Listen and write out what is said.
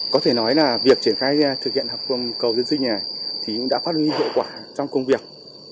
có thể nói là việc triển khai thực hiện hợp cầu dân sinh này thì cũng đã phát huy hiệu quả trong công việc